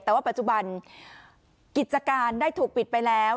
แต่ว่าปัจจุบันกิจการได้ถูกปิดไปแล้ว